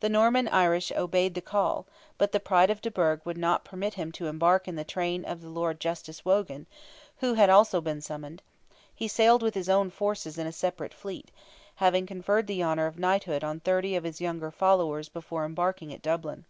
The Norman Irish obeyed the call, but the pride of de Burgh would not permit him to embark in the train of the Lord Justice Wogan, who had been also summoned; he sailed with his own forces in a separate fleet, having conferred the honour of knighthood on thirty of his younger followers before embarking at Dublin.